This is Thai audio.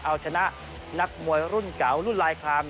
เอาชนะนักมวยรุ่นเก่ารุ่นลายคลาม